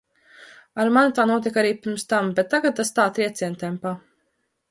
Ar mani tā notika arī pirms tam, bet tagad tas tā, triecientempā.